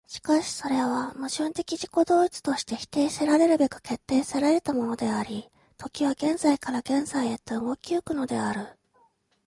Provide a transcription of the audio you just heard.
しかしそれは矛盾的自己同一として否定せられるべく決定せられたものであり、時は現在から現在へと動き行くのである。